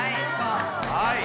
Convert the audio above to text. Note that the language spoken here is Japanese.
はい。